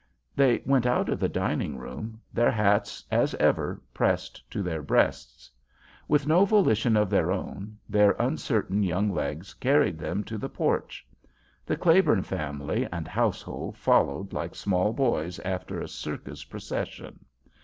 They went out of the dining room, their hats as ever pressed to their breasts. With no volition of their own, their uncertain young legs carried them to the porch. The Claiborne family and household followed like small boys after a circus procession.